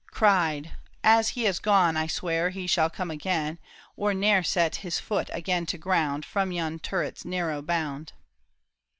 Cried, " As he has gone, I swear He shall come again, or ne'er Set his foot again to ground From yon turret's narrow bound."